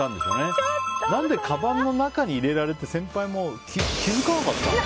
何でカバンの中に入れられて先輩も気づかなかったの？